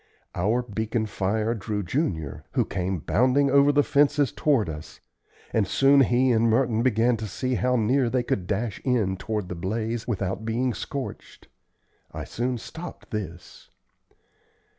Our beacon fire drew Junior, who came bounding over the fences toward us; and soon he and Merton began to see how near they could dash in toward the blaze without being scorched. I soon stopped this.